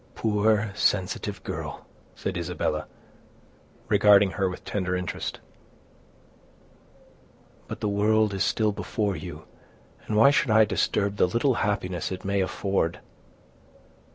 "Poor, sensitive girl!" said Isabella, regarding her with tender interest; "but the world is still before you, and why should I disturb the little happiness it may afford!